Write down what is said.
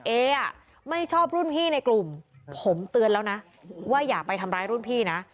เออ่ะไม่ชอบรุ่นพี่ในกลุ่มผมเตือนแล้วนะว่าอย่าไปทำร้ายรุ่นพี่นะ